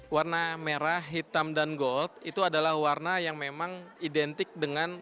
warna merah hitam dan gold itu adalah warna yang memang identik dengan